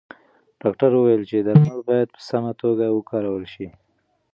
ډاکتر وویل چې درمل باید په سمه توګه وکارول شي.